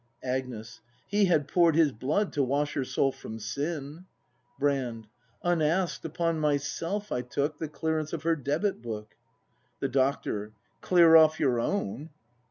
Agnes. He had pour'd His blood, to wash her soul from sin! Brand. Unask'd, upon myself I took The clearance of her debit book. The Doctor. Clear off your own